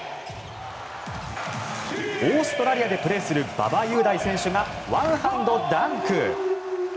オーストラリアでプレーする馬場雄大選手がワンハンドダンク。